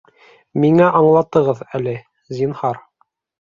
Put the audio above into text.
Миңә аңлатығыҙ әле, зинһар